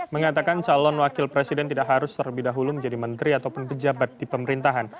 mengatakan calon wakil presiden tidak harus terlebih dahulu menjadi menteri ataupun pejabat di pemerintahan